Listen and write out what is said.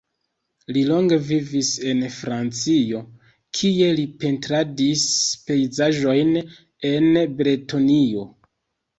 Li longe vivis en Francio, kie li pentradis pejzaĝojn en Bretonio.